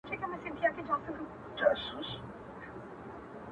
د هر چا خپل غمونه خپله بلا